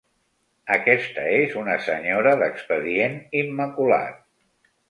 Aquesta és una senyora d'expedient immaculat.